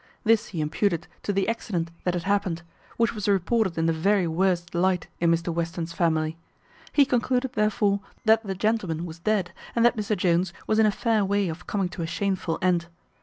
This he imputed to the accident that had happened, which was reported in the very worst light in Mr Western's family; he concluded, therefore, that the gentleman was dead, and that Mr Jones was in a fair way of coming to a shameful end.